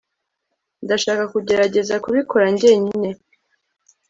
ndashaka kugerageza kubikora njyenyine